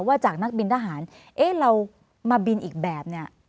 จากนักบินทหารเอ๊ะเรามาบินอีกแบบเนี่ย